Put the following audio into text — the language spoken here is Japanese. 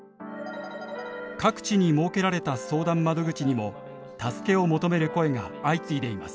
各地に設けられた相談窓口にも助けを求める声が相次いでいます。